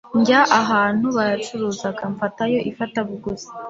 njya ahantu bayacuruzaga mfatayo ifatabuguzi